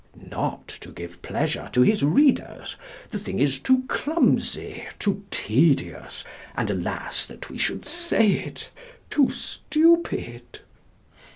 Not to give pleasure to his readers: the thing is too clumsy, too tedious, and alas! that we should say it too stupid.